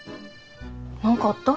何かあった？